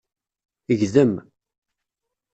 Gdem.